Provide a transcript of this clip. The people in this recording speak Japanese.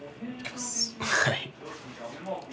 はい。